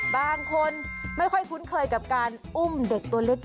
บางคนไม่ค่อยคุ้นเคยกับการอุ้มเด็กตัวเล็ก